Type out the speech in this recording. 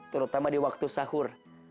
terutama di waktu sahur